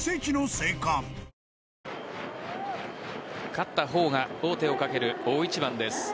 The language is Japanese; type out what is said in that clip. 勝った方が王手をかける大一番です。